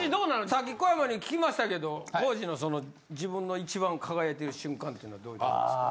さっき小山に聞きましたけど皇治のその自分の一番輝いてる瞬間っていうのはどういうとこですか？